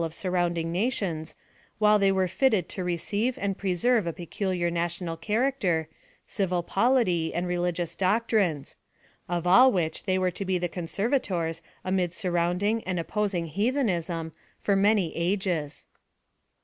57 pie 3f surrounding nations, while they were fitted tc receive and preserve a peculiar national character, civil polity, and religious doctrines ; of all which thev were to be the conservators amid surrounding nna opposing heathenism, for many ages.